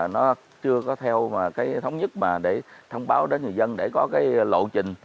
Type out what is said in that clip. nó chưa có theo mà cái thống nhất mà để thông báo đến người dân để có cái lộ trình